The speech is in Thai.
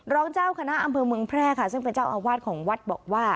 รองเจ้าคณะอำเภอเมืองแพร่ค่ะซึ่งเป็นเจ้าอาวาสของวัดบอกว่า